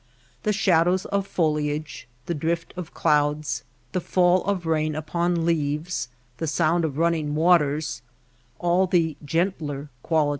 The shadows of foliage, the drift of clouds, the fall of rain upon leaves, the sound of running waters — all the gentler qualities of The effect of rains.